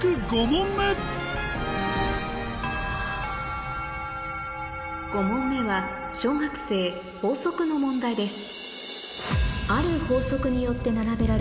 ５問目５問目は小学生法則の問題です